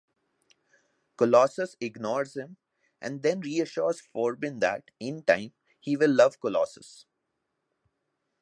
Colossus ignores him, and then reassures Forbin that, in time, he will love Colossus.